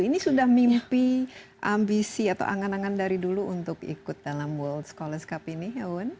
ini sudah mimpi ambisi atau angan angan dari dulu untuk ikut dalam world scholars cup ini hewan